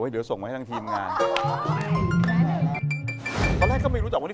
อ้าวแต่ว่าอันนั้นอาจจะแอบแลดก็ได้อะ